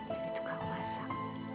jadi tukang masak